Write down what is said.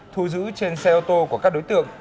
thu giữ trên xe ô tô của các đối tượng